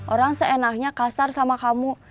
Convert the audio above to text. orang seenaknya kasar sama kamu